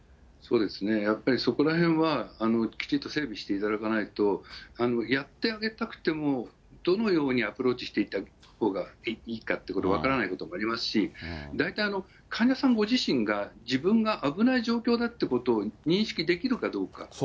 やっぱりそこらへんは、きちっと整備していただかないと、やってあげたくてもどのようにアプローチしていったらいいかってことが分からないことになりますし、大体、患者さんご自身が自分が危ない状況だってことを認識できるかどうか。